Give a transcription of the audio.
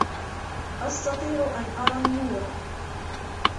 أستطيع أن أرى النور.